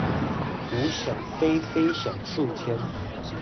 吾想飛非想觸天